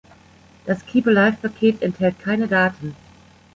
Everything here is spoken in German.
Das Keepalive-Paket enthält keine Daten.